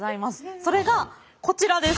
それがこちらです。